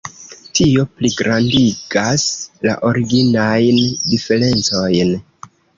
Tio pligrandigas la originajn diferencojn.